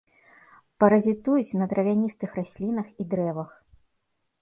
Паразітуюць на травяністых раслінах і дрэвах.